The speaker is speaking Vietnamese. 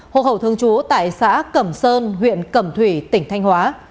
hộc hậu thường trú tại xã cẩm sơn huyện cẩm thủy tỉnh thanh hóa